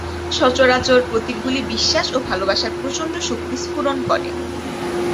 সচরাচর প্রতীকগুলি বিশ্বাস ও ভালবাসার প্রচণ্ড শক্তি স্ফুরণ করে।